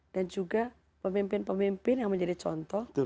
dan juga pemimpin pemimpin yang menjadi contoh